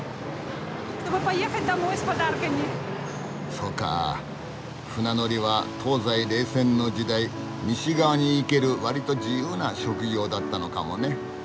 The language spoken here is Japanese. そうか船乗りは東西冷戦の時代西側に行ける割と自由な職業だったのかもね。